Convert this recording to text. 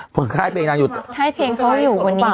เหมือนใครเป็นนางอยู่ใต้เพลงเขาอยู่บนนี้